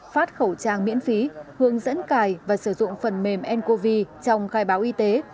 phát khẩu trang miễn phí hướng dẫn cài và sử dụng phần mềm ncov trong khai báo y tế